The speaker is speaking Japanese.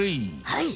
はい。